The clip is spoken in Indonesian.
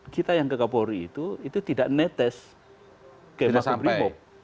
kita yang ke kapolri itu tidak netes ke makobrimo